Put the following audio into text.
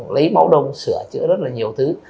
lấy bảo đồng sửa chữa rất là nhiều thứ